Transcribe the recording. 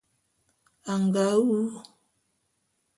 A nga wu.